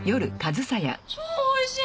超おいしい！